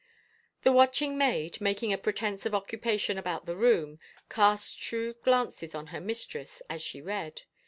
The watching maid, making a pretense of occupation about the room, cast shrewd glances on her mistress as she read.